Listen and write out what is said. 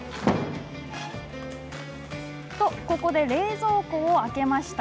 ここで冷蔵庫を開けました。